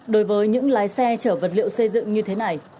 đối với những lái xe chở vật liệu xây dựng như thế này